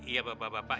iya bapak bapak pak